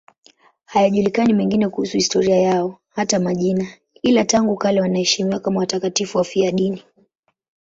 Hayajulikani mengine kuhusu historia yao, hata majina, ila tangu kale wanaheshimiwa kama watakatifu wafiadini.